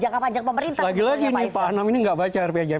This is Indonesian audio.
kenapa di rpjmn nggak ada